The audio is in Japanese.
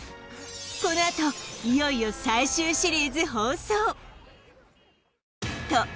このあといよいよ最終シリーズ放送！